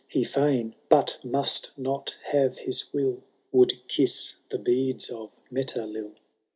He fain but must not have his will — Would kiss the beads of MeteUIl.